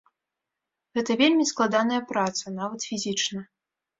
Гэта вельмі складаная праца, нават фізічна.